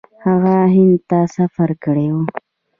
هغه هند ته سفر کړی و.